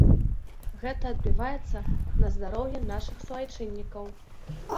Гэта адбіваецца на здароўі нашых суайчыннікаў.